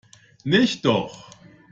Nicht doch!